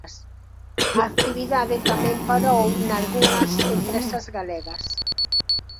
A actividade tamén parou nalgunhas empresas galegas.